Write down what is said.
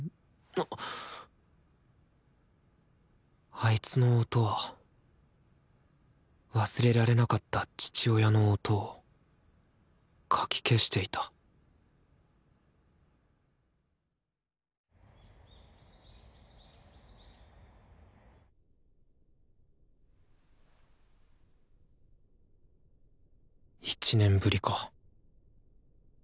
あいつの音は忘れられなかった父親の音をかき消していた１年ぶりか。